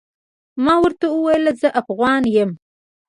ما ورته وويل زه افغان يم.